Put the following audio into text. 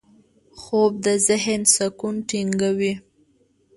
خوب د ذهن سکون ټینګوي